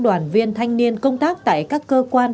đoàn viên thanh niên công tác tại các cơ quan